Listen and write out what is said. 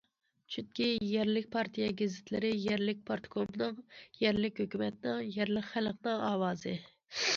چۈنكى، يەرلىك پارتىيە گېزىتلىرى يەرلىك پارتكومنىڭ، يەرلىك ھۆكۈمەتنىڭ، يەرلىك خەلقنىڭ ئاۋازى.